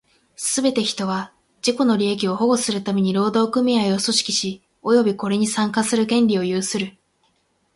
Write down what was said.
すべて人は、自己の利益を保護するために労働組合を組織し、及びこれに参加する権利を有する。